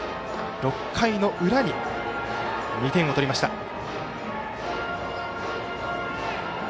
６回裏に２点を取りました。